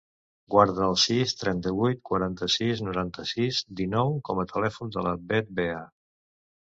Guarda el sis, trenta-vuit, quaranta-sis, noranta-sis, dinou com a telèfon de la Bet Bea.